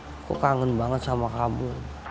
aku kangen banget sama kamu